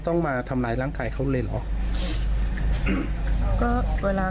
เหมือนโดนได้รับหลังตลอดเฉ็ดใจ